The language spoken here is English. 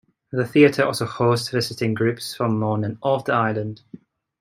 The theatre also hosts visiting groups from on and off the island.